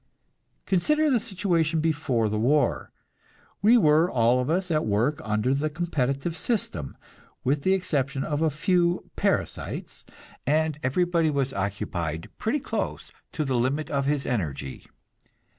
Consider the situation before the war. We were all of us at work under the competitive system, and with the exception of a few parasites, everybody was occupied pretty close to the limit of his energy.